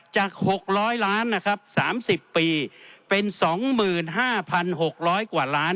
จากหกร้อยล้านนะครับสามสิบปีเป็นสองหมื่นห้าพันหกร้อยกว่าล้าน